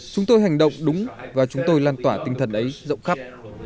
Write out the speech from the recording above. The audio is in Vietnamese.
chúng tôi hành động đúng và chúng tôi lan tỏa tinh thần ấy rộng khắp